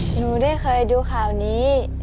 หนูได้เคยดูข่าวนี้